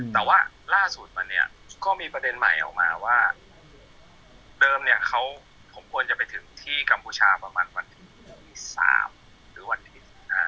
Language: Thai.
แต่ว่าล่าสุดมาเนี่ยก็มีประเด็นใหม่ออกมาว่าเดิมเนี่ยเขาผมควรจะไปถึงที่กัมพูชาประมาณวันที่๓หรือวันอาทิตย์